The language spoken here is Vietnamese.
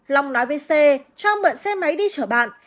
long nói với xê cho ông mượn xe máy đi chở bạn